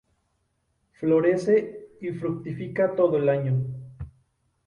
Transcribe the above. Florece y fructifica todo el año.